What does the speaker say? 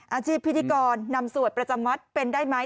พิธีกรนำสวดประจำวัดเป็นได้ไหม